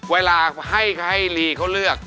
เวลาให้ก็ให้ลีเขาเลือก